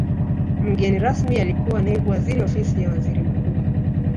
mgeni rasmi alikuwa naibu waziri ofisi ya waziri mkuu